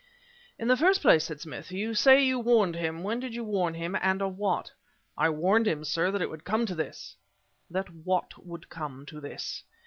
"In the first place," said Smith, "you say that you warned him. When did you warn him and of what?" "I warned him, sir, that it would come to this " "That what would come to this?"